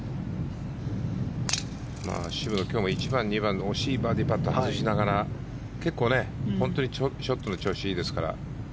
渋野今日も１番、２番の惜しいバーディーパット外しながら結構、本当にショットの調子がいいですから。